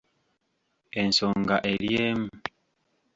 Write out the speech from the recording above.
Ensonga eri emu.